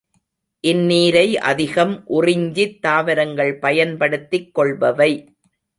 இந்நீரை அதிகம் உறிஞ்சித் தாவரங்கள் பயன்படுத்திக் கொள்பவை.